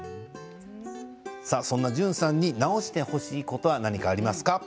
そんな淳さんに直してほしいことは何かありますか？